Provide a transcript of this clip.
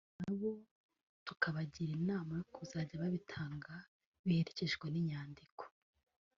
ariko nabo tubagira inama yo kujya babitanga biherekejwe n’inyandiko”